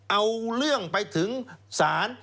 เอาเรื่องไปถึงศาล